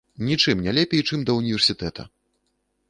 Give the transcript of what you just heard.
Нічым не лепей, чым да ўніверсітэта!